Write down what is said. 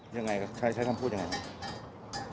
ยังไงใช้คำพูดยังไงครับ